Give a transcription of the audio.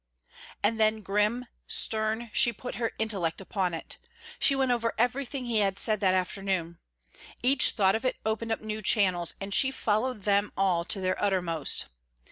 And then, grim, stern, she put her intellect upon it. She went over everything he had said that afternoon. Each thought of it opened up new channels, and she followed them all to their uttermost.